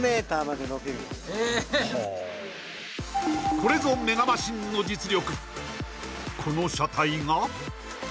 これぞメガマシンの実力